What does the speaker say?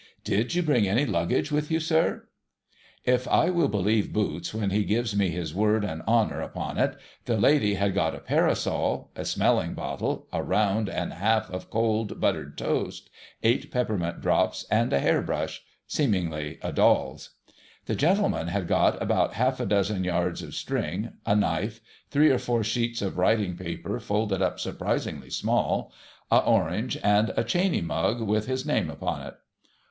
Did you bring any luggage with you, sir ?' If I will believe Boots when he gives me his word and honour upon it, the lady had got a parasol, a smelling bottle, a round and a half of cold buttered toast, eight peppermint drops, and a hair brush,— seemingly a doll's. The gentleman had got about half a dozen yards of string, a knife, three or four sheets of writing paper folded up surprising small, a orange, and a Chaney mug with his name upon it.